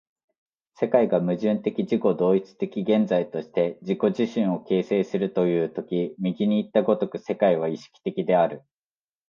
世界が矛盾的自己同一的現在として自己自身を形成するという時右にいった如く世界は意識的である。